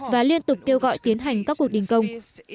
và liên tục kêu gọi tiến hành các cuộc đình công